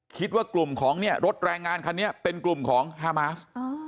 คิดว่ากลุ่มของเนี่ยรถแรงงานคันนี้เป็นกลุ่มของฮามาส